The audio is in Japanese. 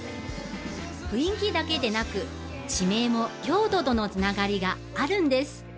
雰囲気だけでなく地名も京都とのつながりがあるんです